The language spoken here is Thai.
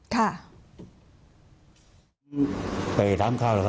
ค่ะ